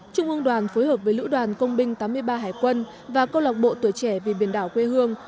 trung ương đoàn phối hợp với lữ đoàn công binh tám mươi ba hải quân và câu lạc bộ tuổi trẻ vì biển đảo quê hương